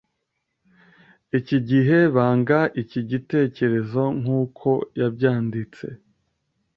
iki gihe banga iki gitekerezo nkuko yabyanditse